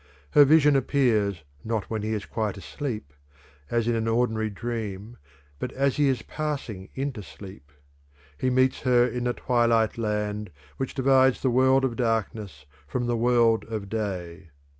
Her vision appears not when he is quite asleep, as in an ordinary dream, but as he is passing into sleep. He meets her in the twilight land which divides the world of darkness from the world of day.